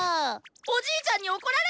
おじーちゃんに怒られる！